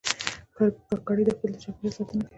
کاکړي د خپل چاپېریال ساتنه کوي.